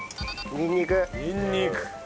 にんにく。